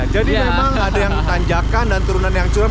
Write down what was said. jadi memang ada yang tanjakan dan turunan yang curam